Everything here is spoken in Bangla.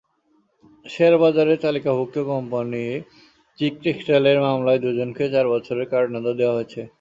শেয়ারবাজারের তালিকাভুক্ত কোম্পানি চিক টেক্সটাইলের মামলায় দুজনকে চার বছরের কারাদণ্ড দেওয়া হয়েছে।